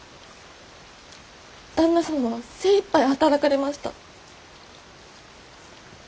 旦那様は精いっぱい働かれました。